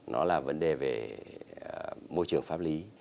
nó là vấn đề về môi trường pháp lý